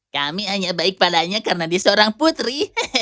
kami hanya baik padanya karena dia seorang putri